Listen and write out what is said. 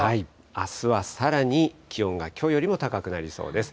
あすはさらに、気温がきょうよりも高くなりそうです。